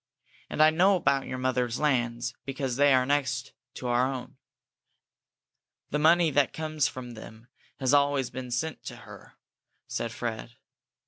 And I know about your mother's lands, because they are next to our own." "The money that comes from them has always been sent to her," said Fred.